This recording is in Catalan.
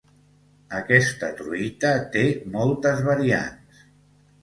Aquesta truita té moltes variants